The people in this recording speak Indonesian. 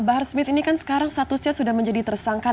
bahar smith ini kan sekarang statusnya sudah menjadi tersangka